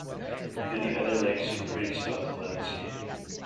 Many other lakes and creeks dot the landscape.